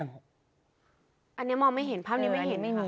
อันนี้มองไม่เห็นภาพนี้ไม่เห็นไม่มี